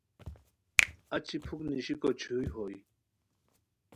اچی پُھک نیشیکو چھوئی ہوئے